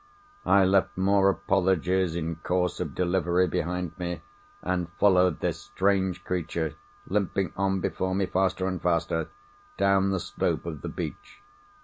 I left more apologies in course of delivery behind me, and followed this strange creature—limping on before me, faster and faster—down the slope of the beach.